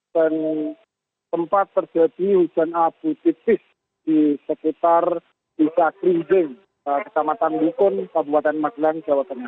dan tempat terjadi hujan abu tipis di sekitar tiga km ke kedamatan bikun kabupaten magelang jawa tengah